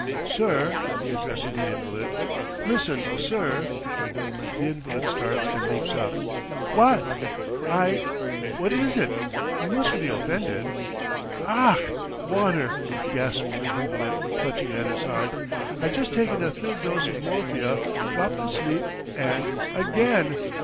"Sir," he addresses the invalid. "Listen, sir. ..." The invalid starts and leaps up: "What?" "I ... what was it? ... You mustn't be offended. ..." "Och! Water ..." gasps the invalid, clutching at his heart. "I'd just taken a third dose of morphia, dropped asleep, and ... again!